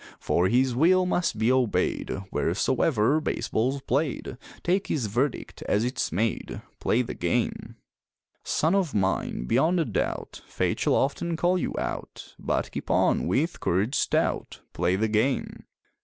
For his will must be obeyed Wheresoever baseball's played, Take his verdict as it's made Play the game! Son of mine, beyond a doubt, Fate shall often call you "out," But keep on, with courage stout Play the game!